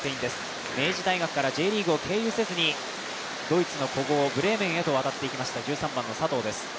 明治大学からＪリーグを経由せずにドイツの古豪ブレーメンへと渡っていきました、佐藤です。